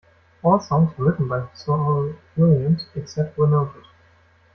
All songs written by Saul Williams except where noted.